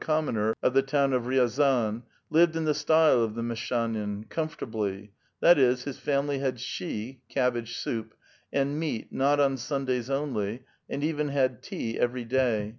59 (commoner) of the town of Riazan, lived in the style of the meshchanin^ comfortably ; that is, his family had shchi (cab bage soup) and meat not on Sundays only, and even had tea every day.